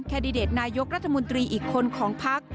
แดดิเดตนายกรัฐมนตรีอีกคนของพัก